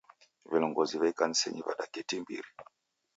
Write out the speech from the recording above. Vilongozi va ikanisenyi vadaketi imbiri